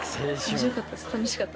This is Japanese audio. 楽しかったです。